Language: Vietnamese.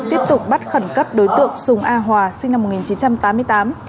tiếp tục bắt khẩn cấp đối tượng sùng a hòa sinh năm một nghìn chín trăm tám mươi tám